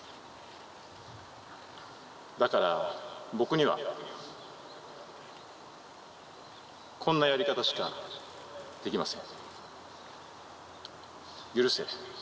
だから僕にはこんなやり方しかできません。